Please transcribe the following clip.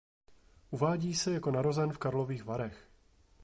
Uvádí se jako narozen v Karlových Varech.